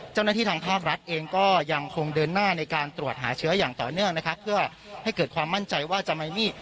ทางภาครัฐเองก็ยังคงเดินหน้าในการตรวจหาเชื้ออย่างต่อเนื่องนะครับเพื่อให้เกิดความมั่นใจว่าจะไม่มี